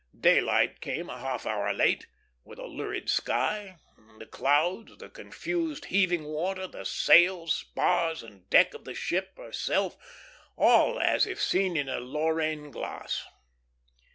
Daylight came a half hour late, with a lurid sky; the clouds, the confused, heaving water, the sails, spars, and deck of the ship herself, all as if seen in a Lorraine glass.